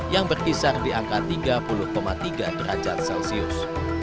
yang berkisar di angka tiga puluh tiga derajat celcius